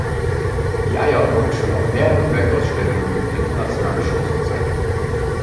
Die Eier wurden schon auf mehreren Weltausstellungen und internationalen Shows gezeigt.